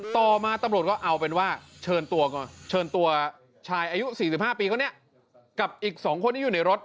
ต่อมาตำรวจก็เอาเป็นว่าเชิญตัวชายอายุ๔๕ปีกับอีก๒คนอยู่ในรถ